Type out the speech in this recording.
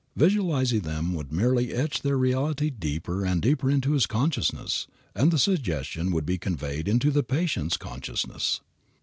Visualizing them would merely etch their reality deeper and deeper in his consciousness, and the suggestion would be conveyed into the patient's consciousness.